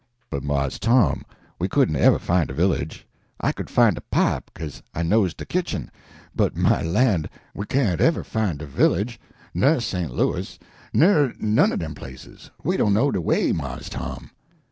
"But, Mars Tom, we couldn't ever find de village. I could find de pipe, 'case I knows de kitchen, but my lan', we can't ever find de village, nur Sent Louis, nur none o' dem places. We don't know de way, Mars Tom."